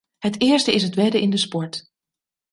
Het eerste is het wedden in de sport.